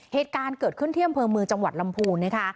เหตุการณ์เกิดขึ้นที่อำเภอเมืองจังหวัดลำพูนนะคะ